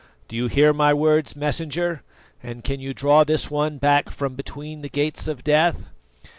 Do you hear my words, Messenger, and can you draw this one back from between the Gates of Death?"